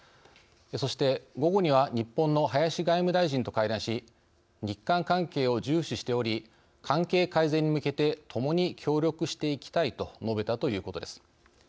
そして、午後には日本の林外務大臣と会談し「日韓関係を重視しており関係改善に向けて共に協力していきたい」と述べたということです。